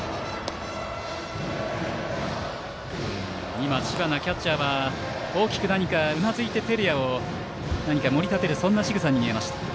今、知花キャッチャーは大きくうなずいて、照屋を盛り立てるしぐさに見えました。